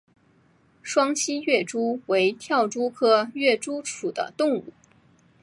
双栖跃蛛为跳蛛科跃蛛属的动物。